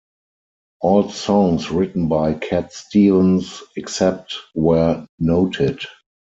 All songs written by Cat Stevens except where noted.